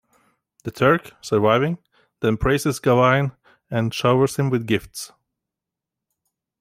The Turk, surviving, then praises Gawain and showers him with gifts.